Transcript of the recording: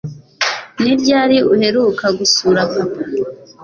Ni ryari uheruka gusura papa